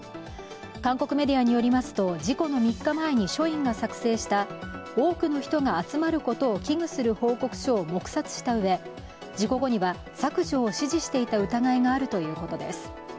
韓国メディアによりますと事故の３日前に署員が作成した多くの人が集まることを危惧する報告書を黙殺したうえ、事故後には削除を指示していた疑いがあるということです。